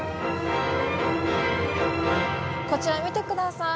こちら見て下さい。